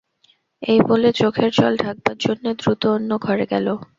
এই বলে চোখের জল ঢাকবার জন্যে দ্রুত অন্য ঘরে গেল।